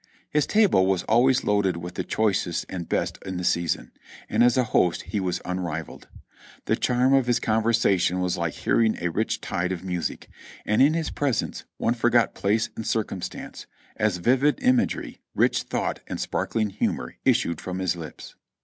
His table was always loaded with the choicest and best in the season, and as a host he was unrivaled. The charm of his conversation was like hearing a rich tide of music, and in his presence one forgot place and circumstance, as vivid imagery, rich thought and sparkling humor issued from his lips.